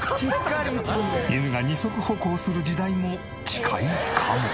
犬が二足歩行する時代も近いかも。